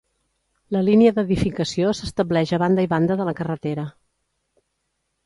La línia d'edificació s'estableix a banda i banda de la carretera.